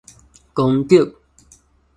光澤